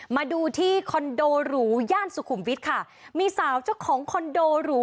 มาดูที่คอนโดหรูย่านสุขุมวิทย์ค่ะมีสาวเจ้าของคอนโดหรู